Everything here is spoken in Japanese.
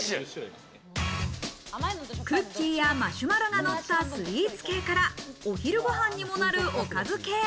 クッキーやマシュマロがのったスイーツ系から、お昼ごはんにもなる、おかず系。